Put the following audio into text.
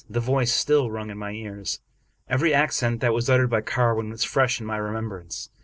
The voice still rung in my ears. Every accent that was uttered by Carwin was fresh in my remembrance.